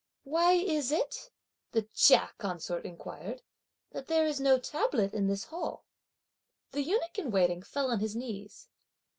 "Why is it," the Chia consort inquired, "that there is no tablet in this Hall?" The eunuch in waiting fell on his knees.